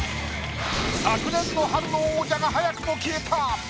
昨年の春の王者が早くも消えた。